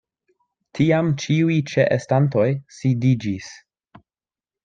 Tiam ĉiuj ĉeestantoj sidiĝis.